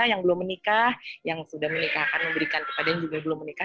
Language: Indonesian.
yang belum menikah yang sudah menikah akan memberikan kepada yang juga belum menikah